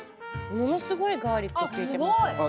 ものすごいガーリック効いてますねあっ